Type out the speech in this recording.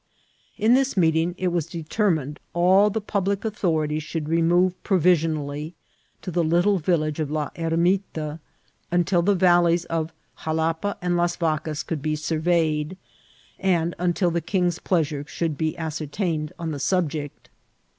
..." In this meeting it was determined all the public authorities should remove provisionally to the little village of La Hermita, until the valleys of Ja lapa and Las Vacas could be surveyed, and until the king's pleasure could be ascertained on the subject."